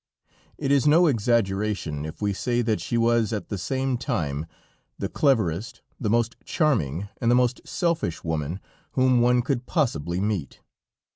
It is no exaggeration, if we say that she was at the same time the cleverest, the most charming and the most selfish woman whom one could possibly meet.